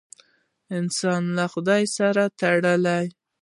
انسان له خدای سره تړي.